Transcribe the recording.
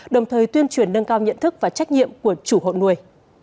đồng thời tuyên truyền nâng cao nhận thức và trách nhiệm của chủ hộ nuôi